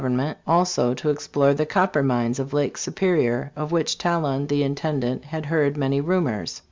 ernment also to explore the copper mines of Lake Superior, of which Talon, the intendant, had h^ard many rumors.